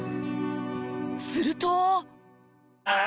すると。